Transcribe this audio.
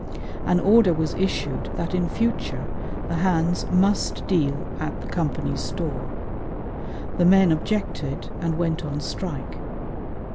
An order was issued that in future the "hands" must deal at the Company's store. The men objected and went on strike.